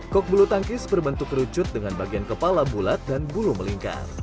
kok bulu tangkis berbentuk kerucut dengan bagian kepala bulat dan bulu melingkar